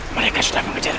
mereka sudah mengejar